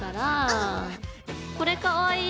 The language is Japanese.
うん。これかわいい！